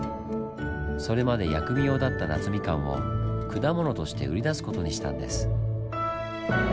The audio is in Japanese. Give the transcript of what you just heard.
それまで薬味用だった夏みかんを果物として売り出す事にしたんです。